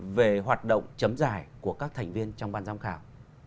về hoạt động chấm giải của các thành viên trong ban giám khảo